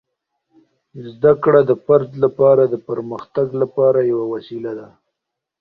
زده کړه د فرد لپاره د پرمختګ لپاره یوه وسیله ده.